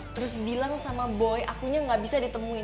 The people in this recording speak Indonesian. terus bilang sama boy akunya gak bisa ditemuin